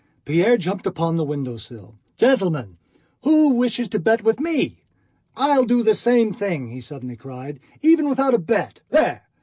Pierre jumped upon the window sill. "Gentlemen, who wishes to bet with me? I'll do the same thing!" he suddenly cried. "Even without a bet, there!